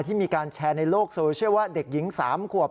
มีการแชร์ในโลกโซเชียลว่าเด็กหญิง๓ขวบ